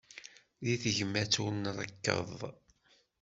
Di tegmat ur nrekkeḍ.